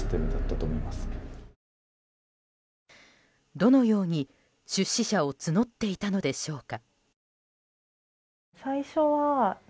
どのように出資者を募っていたのでしょうか。